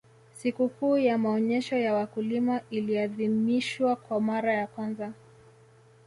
Sikukuu ya maonyesho ya wakulima iliadhimiahwa kwa mara ya kwanza